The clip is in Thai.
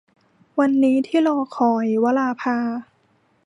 วันนี้ที่รอคอย - วราภา